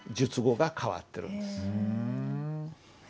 ふん。